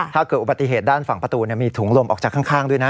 ถ้าเกิดอุบัติเหตุด้านฝั่งประตูมีถุงลมออกจากข้างด้วยนะ